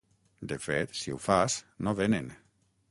De fet, si ho fas, no vénen.